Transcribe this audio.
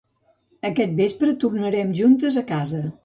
Aquest vespre tornarem juntes a casa